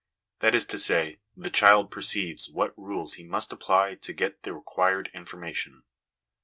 That is to say, the child perceives what rules he must apply to get the required information.